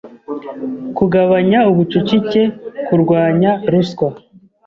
kugabanya ubucucike kurwanya ruswa